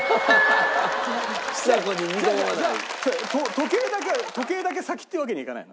時計だけ時計だけ先っていうわけにはいかないの？